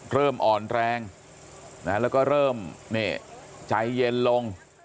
เริ่มอ่อนแรงแล้วก็เริ่มใจเย็นลง